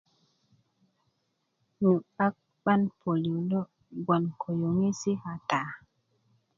nyu 'bak 'ban pölylyö gbon ko yöŋesi kata